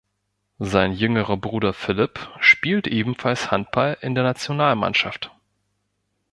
Sein jüngerer Bruder Filip spielt ebenfalls Handball in der Nationalmannschaft.